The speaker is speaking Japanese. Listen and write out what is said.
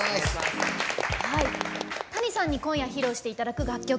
Ｔａｎｉさんに今夜、披露していただく楽曲